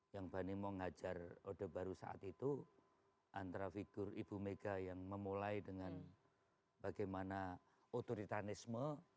yang bani mau ngajar odeh baru saat itu antara figur ibu mega yang memulai dengan bagaimana otoritanisme